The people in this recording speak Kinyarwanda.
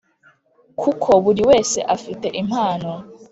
kuko buri wese afite impano.